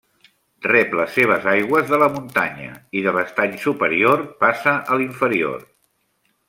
Rep les seves aigües de la muntanya; i de l'estany superior passa a l'inferior.